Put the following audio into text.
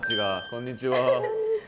こんにちは。